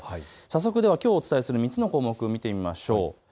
そこできょうお伝えする３つの項目を見ていきましょう。